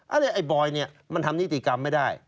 อันนี้ไอ้บอยเนี่ยมันทำนิติกรรมไม่ได้